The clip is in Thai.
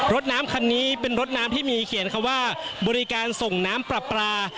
รถน้ำคันนี้เป็นรถน้ำที่มีเขียนคำว่าบริการส่งน้ำปรับปลา